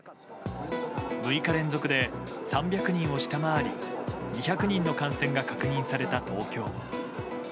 ６日連続で３００人を下回り２００人の感染が確認された東京。